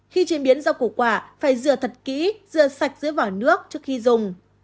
khi chế biến rau củ quả phải rửa thật kỹ rửa sạch dưới vỏ nước trước khi dùng